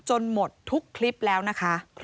หมดทุกคลิปแล้วนะคะ